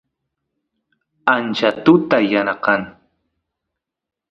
ancha tuta yana kan